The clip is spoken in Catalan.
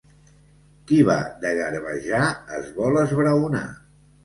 Qui va de garbejar, es vol esbraonar.